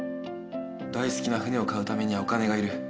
大好きな船を買うためにはお金がいる。